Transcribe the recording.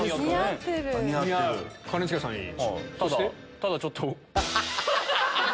ただちょっと。